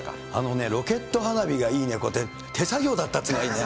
あのね、ロケット花火がいいね、これ、手作業だったっていうのがいいね。